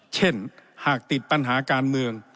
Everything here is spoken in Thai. เช่นหากติดปัญหาการเมือง